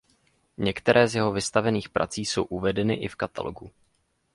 Některé z jeho vystavených prací jsou uvedeny i v katalogu.